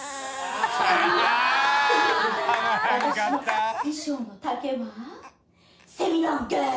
私の衣装の丈はセミロングー！